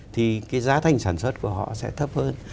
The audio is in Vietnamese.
thì cái giá thành sản xuất của họ sẽ thấp hơn